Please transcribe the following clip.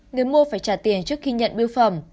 người mua phải trả tiền trước khi nhận biêu phẩm